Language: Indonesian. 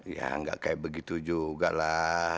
ya nggak kayak begitu juga lah